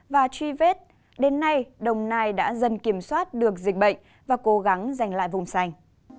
và truy vết đến nay đồng nai đã dần kiểm soát được dịch bệnh và cố gắng giành lại vùng xanh